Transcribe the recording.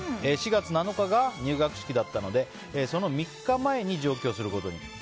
４月７日が入学式だったのでその３日前に上京することに。